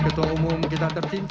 ketua umum kita tercinta